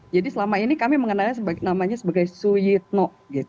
jadi selama ini kami mengenalnya sebagai su yitno